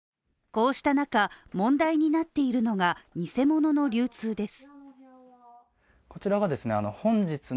こうした中、問題になっているのが偽物の流通です。